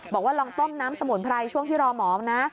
บอกว่าลองต้มน้ำสมุนไพรช่วงที่รอหมอนะ